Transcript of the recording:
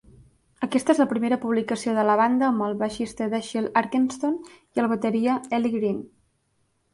Aquesta és la primera publicació de la banda amb el baix Dashiell Arkenstone i el bateria Eli Green.